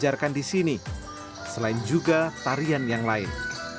diajarkan di sini selain juga tarian yang lain